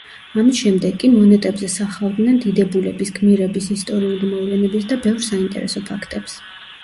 ამის შემდეგ კი მონეტებზე სახავდნენ დიდებულების, გმირების, ისტორიული მოვლენების და ბევრ საინტერესო ფაქტებს.